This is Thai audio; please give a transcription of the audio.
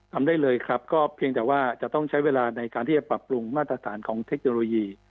ทำได้เลยครับก็เพียงแต่ว่าจะต้องใช้เวลาในการที่จะปรับปรุงมาตรฐานของเทคโนโลยี